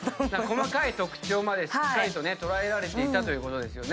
細かい特徴までしっかりとね捉えられていたということですよ。